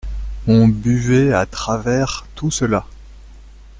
On buvait à travers tout cela.